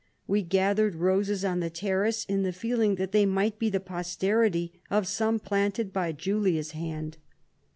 We gathered roses on the terrace, in the feeling that they might be the posterity of some planted by Julia's hand.